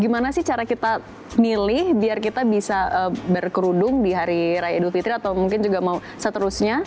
gimana sih cara kita milih biar kita bisa berkerudung di hari raya idul fitri atau mungkin juga mau seterusnya